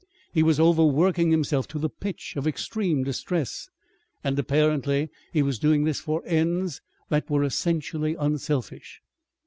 He was overworking himself to the pitch of extreme distress and apparently he was doing this for ends that were essentially unselfish.